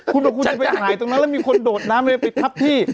คุณบอกคุณจะไปหายตรงนั้นแล้วมีคนโดดน้ำเลยไปทับที่